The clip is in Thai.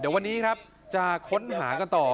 เดี๋ยววันนี้ครับจะค้นหากันต่อ